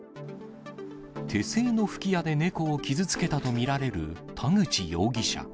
手製の吹き矢で猫を傷つけたと見られる田口容疑者。